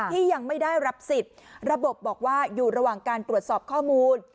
ที่ยังไม่ได้รับสิทธิ์ระบบบอกว่าอยู่ระหว่างการตรวจสอบข้อมูล